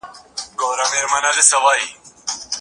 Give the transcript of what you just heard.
هر کال نوي خلک یوځای کېږي.